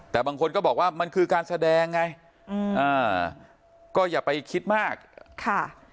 แต่บางคนก็บอกว่ามันคือการแสดงไงอืมอ่าก็อย่าไปคิดมากค่ะ